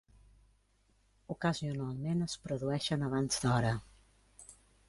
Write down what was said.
Ocasionalment es produeixen abans d'hora.